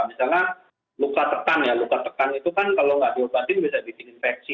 misalnya luka tekan ya luka tekan itu kan kalau nggak diobatin bisa bikin infeksi